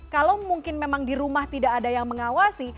kalau mungkin memang di rumah tidak ada yang mengawasi